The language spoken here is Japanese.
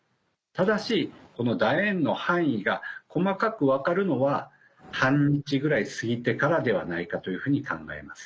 ただしこの楕円の範囲が細かく分かるのは半日ぐらい過ぎてからではないかというふうに考えます。